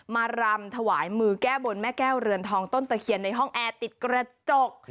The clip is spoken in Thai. รำถวายมือแก้บนแม่แก้วเรือนทองต้นตะเคียนในห้องแอร์ติดกระจก